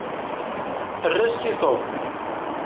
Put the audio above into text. Erret-as i Tom.